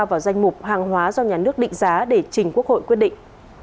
vào danh mục hàng hóa do nhà nước định giá để trình quốc hội quyết định